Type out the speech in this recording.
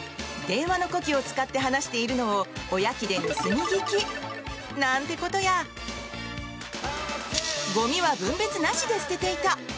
電話の子機を使って話しているのを親機で盗み聞きなんてことやゴミは分別なしで捨てていた